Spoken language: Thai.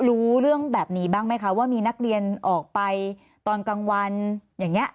รู้เรื่องแบบนี้บ้างไหมคะว่ามีนักเรียนออกไปตอนกลางวันอย่างนี้